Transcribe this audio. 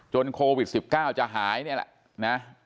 จนโควิด๑๙จะหายเนี่ยแหละ